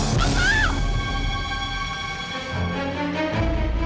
masih ya tolong